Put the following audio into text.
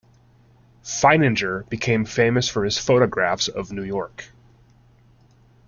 Feininger became famous for his photographs of New York.